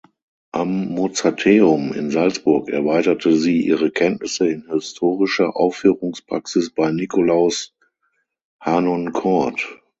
Am Mozarteum in Salzburg erweiterte sie ihre Kenntnisse in Historischer Aufführungspraxis bei Nikolaus Harnoncourt.